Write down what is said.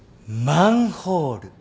マンホール？